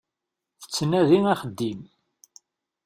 Tettnadi axeddim.